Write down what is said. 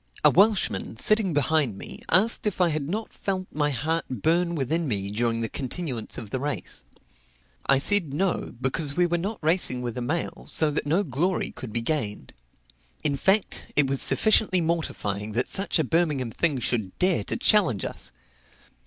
A Welshman, sitting behind me, asked if I had not felt my heart burn within me during the continuance of the race? I said No; because we were not racing with a mail, so that no glory could be gained. In fact, it was sufficiently mortifying that such a Birmingham thing should dare to challenge us.